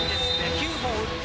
９打って、